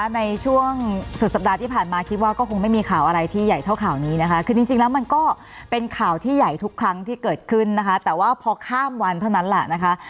ในช่วงสุดสัปดาห์ที่ผ่านมาคิดว่าก็คงไม่มีข่าวอะไรที่ใหญ่เท่าข่าวนี้นะคะคือจริงแล้วมันก็เป็นข่าวที่ใหญ่ทุกครั้งที่เกิดขึ้นนะคะแต่ว่าพอข้ามวันเท่านั้นแหละนะคะ